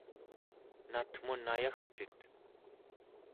natmun ayagcit?